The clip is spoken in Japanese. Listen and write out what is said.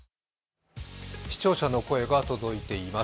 視聴者の声が届いています。